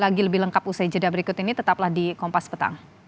lagi lebih lengkap usai jeda berikut ini tetaplah di kompas petang